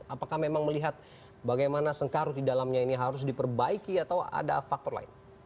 apakah memang melihat bagaimana sengkarut di dalamnya ini harus diperbaiki atau ada faktor lain